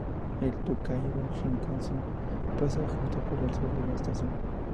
El Tōkaidō Shinkansen pasa justo por el sur de la estación.